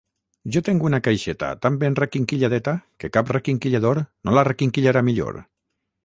Jo tenc una caixeta tan ben requinquilladeta que cap requinquillador no la requinquillarà millor